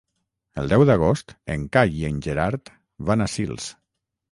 El deu d'agost en Cai i en Gerard van a Sils.